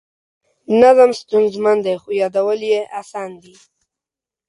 نظم ستونزمن دی خو یادول یې اسان دي.